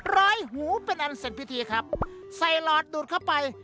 ร้อยหูเป็นอันเสร็จพิธีครับใส่หลอดดูดเข้าไป